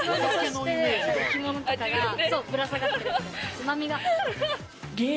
つまみが。